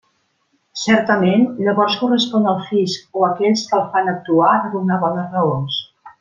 Certament, llavors correspon al fisc o a aquells que el fan actuar de donar bones raons.